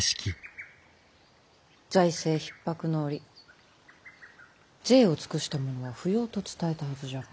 財政ひっ迫の折贅を尽くしたものは不要と伝えたはずじゃが。